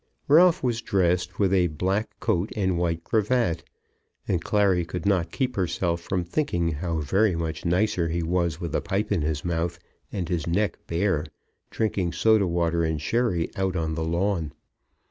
Ralph was dressed, with a black coat and white cravat, and Clary could not keep herself from thinking how very much nicer he was with a pipe in his mouth, and his neck bare, drinking soda water and sherry out on the lawn.